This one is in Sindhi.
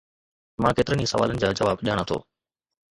مان ڪيترن ئي سوالن جا جواب ڄاڻان ٿو